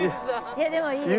いやでもいいです。